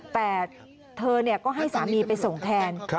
แต่เธอก็ให้สามีไปส่งแทน